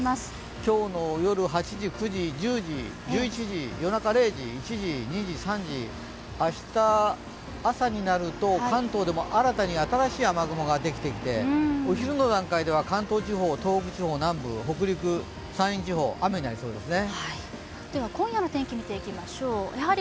今日の夜８時０時明日朝になると、関東でも新たに新しい雨雲ができてきて、お昼の段階では関東地方、東北地方南部北陸、山陰地方雨になりそうですね。